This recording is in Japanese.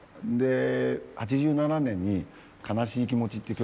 ８７年に「悲しい気持ち」って曲。